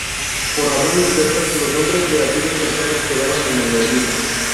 Por razones diversas, los nombres de aquellas personas quedaron en el olvido.